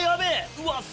うわっ。